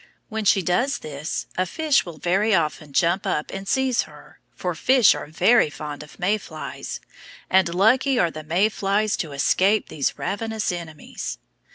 When she does this a fish will very often jump up and seize her, for fish are very fond of May flies, and lucky are the May flies to escape these ravenous enemies.